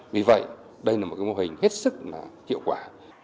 vì vậy đây là một mô hình hết sức hiệu quả